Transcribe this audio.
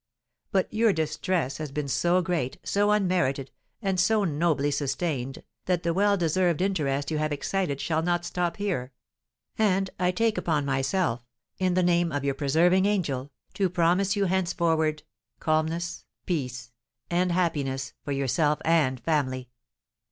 But your distress has been so great, so unmerited, and so nobly sustained, that the well deserved interest you have excited shall not stop here; and I take upon myself, in the name of your preserving angel, to promise you henceforward calmness, peace, and happiness, for yourself and family."